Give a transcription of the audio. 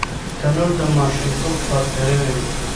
تنور د ماشومتوب خاطره وي